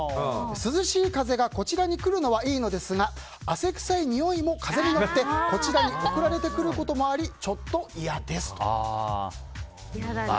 涼しい風がこちらに来るのはいいんですが汗くさいにおいも風に乗ってこちらに送られてくることもありちょっと嫌です。